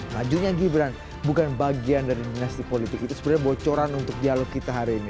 majunya gibran bukan bagian dari dinasti politik itu sebenarnya bocoran untuk dialog kita hari ini